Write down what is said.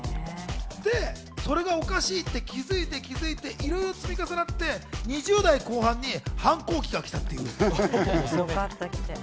それがおかしいって気づいていろいろ積み重なって、２０代後半に反抗期が来たっていう。